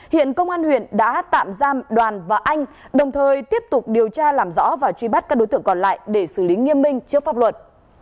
hiện công an huyện đã tạm giam đoàn và anh đồng thời tiếp tục điều tra làm rõ và truy bắt các đối tượng còn lại để xử lý nghiêm minh trước pháp luật